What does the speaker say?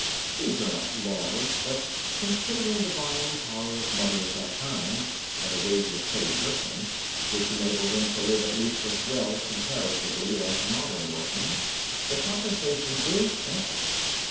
These are not large, but, considering the buying power of money at that time and the wages paid workmen, which enabled them to live at least as well, comparatively, as modern workmen, the compensation is ample.